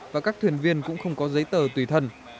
và các thuyền viên cũng không có giấy tờ tùy thân